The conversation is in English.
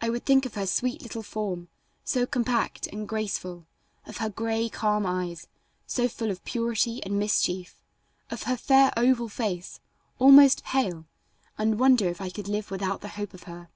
I would think of her sweet little form, so compact and graceful; of her gray, calm eyes, so full of purity and mischief; of her fair oval face, almost pale, and wonder if I could live without the hope of her.